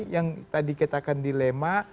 yang tadi kita akan dilema